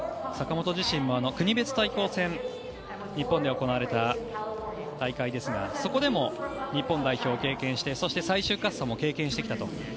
坂本自身も国別対抗戦日本で行われた試合ですがそこでも日本代表を経験してそして最終滑走も経験してきたと。